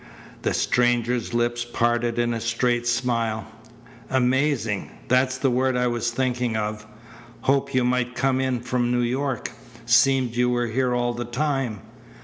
The stranger's lips parted in a straight smile. "Amazing! That's the word I was thinking of. Hoped you might come in from New York. Seemed you were here all the time.